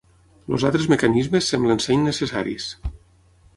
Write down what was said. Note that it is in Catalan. Els altres mecanismes semblen ser innecessaris.